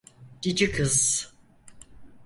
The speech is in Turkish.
Cici kız.